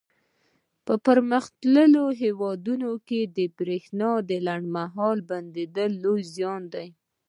په پرمختللو هېوادونو کې د برېښنا لنډ مهاله بندېدل لوی زیان دی.